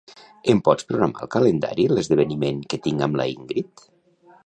Em pots programar al calendari l'esdeveniment que tinc amb la Ingrid?